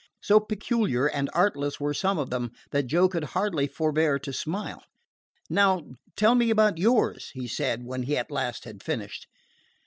So peculiar and artless were some of them that Joe could hardly forbear to smile. "Now tell me about yours," he said when he at last had finished.